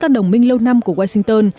các đồng minh lâu năm của washington